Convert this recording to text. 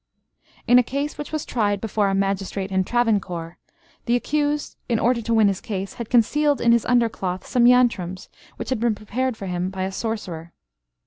In a case which was tried before a magistrate in Travancore, the accused, in order to win his case, had concealed in his under cloth some yantrams, which had been prepared for him by a sorcerer.